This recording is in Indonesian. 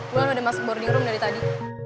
wulan udah masuk boarding room dari tadi